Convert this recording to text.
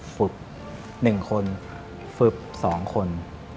ฟึบ๑คนฟึบ๒คน